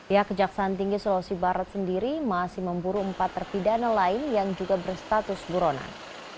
ya kejaksaan tinggi sulawesi barat sendiri masih memburu empat terpidana lain yang juga berstatus buronan